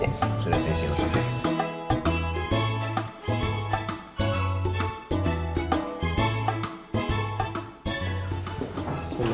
ya sudah saya isi langsung ya